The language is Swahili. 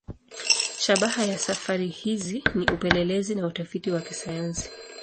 Shabaha ya safari hizi ni upelelezi na utafiti wa kisayansi.